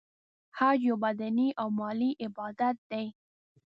حج یو بدنې او مالی عبادت دی .